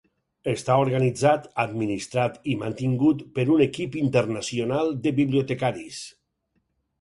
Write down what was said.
Està organitzat, administrat i mantingut per un equip internacional de bibliotecaris.